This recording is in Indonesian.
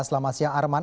selamat siang arman